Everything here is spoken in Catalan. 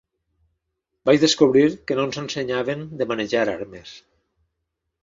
Vaig descobrir que no ens ensenyaven de manejar armes.